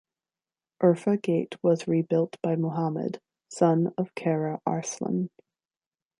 Urfa Gate was rebuilt by Muhammad, son of Kara Arslan.